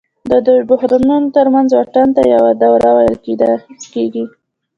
د دوو بحرانونو ترمنځ واټن ته یوه دوره ویل کېږي